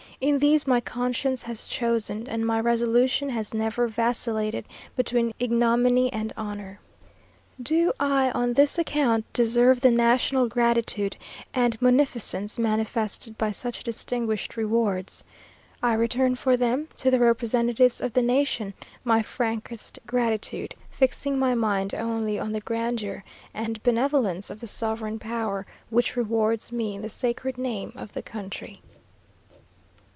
In these, my conscience has chosen, and my resolution has never vacillated between ignominy and honour. Do I, on this account, deserve the national gratitude and munificence manifested by such distinguished rewards? I return for them to the representatives of the nation my frankest gratitude; fixing my mind only on the grandeur and benevolence of the sovereign power which rewards me in the sacred name of the country.